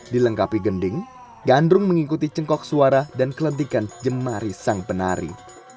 dilengkapi gending gandrung mengikuti cengkok suara dan kelentikan jemari sang penari